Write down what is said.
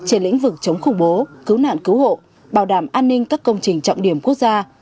trên lĩnh vực chống khủng bố cứu nạn cứu hộ bảo đảm an ninh các công trình trọng điểm quốc gia